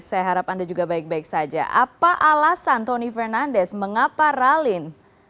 saya harap anda juga baik baik saja apa alasan tony fernandes mengapa ralin